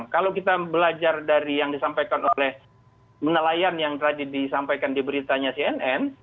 kalau kita belajar dari yang disampaikan oleh nelayan yang tadi disampaikan di beritanya cnn